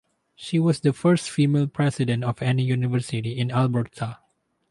She was the first female president of any university in Alberta.